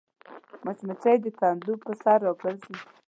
مچمچۍ د کندو پر سر راګرځي